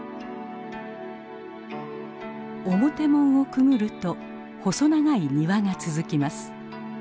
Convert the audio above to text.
表門をくぐると細長い庭が続きます。